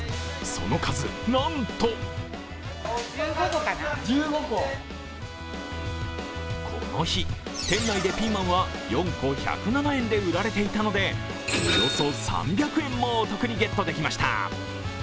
その数なんとこの日、店内でピーマンは４個１０７円で売られていたのでおよそ３００円もお得にゲットできました。